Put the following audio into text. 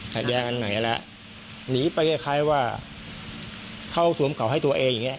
ขัดแย้งอันไหนแล้วหนีไปคล้ายว่าเข้าสวมเก่าให้ตัวเองอย่างเงี้